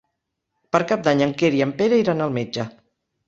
Per Cap d'Any en Quer i en Pere iran al metge.